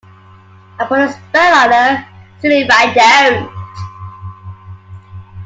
I'll put a spell on her; see if I don't.